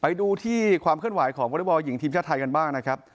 ไปดูที่ความเคลื่อนไหวของวอเล็กบอลหญิงทีมชาติไทยกันบ้างนะครับ